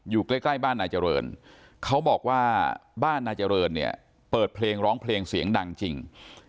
อยู่ใกล้บ้านนายเจริญเขาบอกว่าบ้านนายเจริญเนี่ยเปิดเพลงร้องเพลงเสียงดังจริง